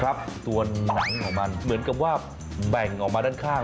ตัวหนังของมันเหมือนกับว่าแบ่งออกมาด้านข้าง